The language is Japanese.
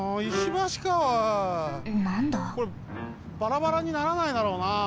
これバラバラにならないだろうな？